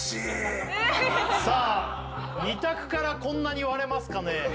さあ２択からこんなに割れますかね